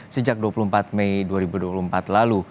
sejak dua puluh empat mei dua ribu dua puluh empat lalu